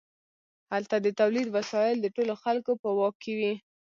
هلته د تولید وسایل د ټولو خلکو په واک کې وي.